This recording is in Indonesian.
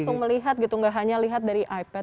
langsung melihat gitu nggak hanya lihat dari ipad